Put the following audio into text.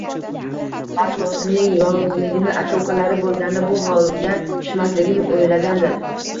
Balki oʻzining yolgʻizligini, aka-ukalari boʻlganda bu holga tushmasligini oʻylagandir.